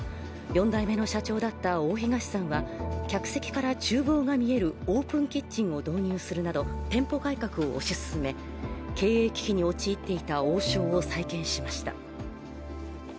４代目の社長だった大東さんは、客席からちゅう房が見えるオープンキッチンを導入するなど、店舗改革を推し進め経営危機に陥っていた王将を再建しました。